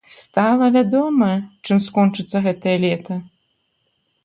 Стала вядома, чым скончыцца гэтае лета!